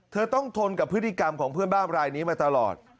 เธอต้องทนกับพฤติกรรมของเพื่อนบ้านรายนี้มาตลอด